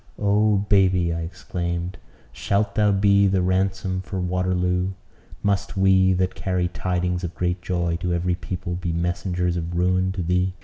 "Oh, baby!" I exclaimed, "shalt thou be the ransom for Waterloo? Must we, that carry tidings of great joy to every people, be messengers of ruin to thee?"